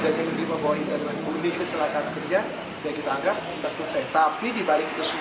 tapi dibalik itu semua kita ikut bersikap ini dengan keluarganya